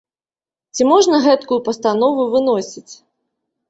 Ці можна гэткую пастанову выносіць?